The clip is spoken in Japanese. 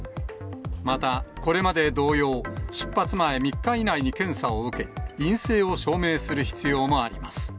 またこれまで同様、出発前３日以内に検査を受け、陰性を証明する必要もあります。